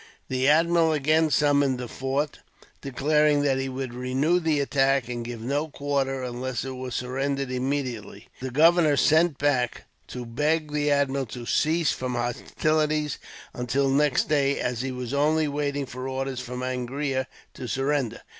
The admiral again summoned the fort, declaring that he would renew the attack, and give no quarter, unless it was surrendered immediately. The governor sent back to beg the admiral to cease from hostilities until next day, as he was only waiting for orders from Angria to surrender.